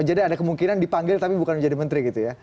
jadi ada kemungkinan dipanggil tapi bukan menjadi menteri gitu ya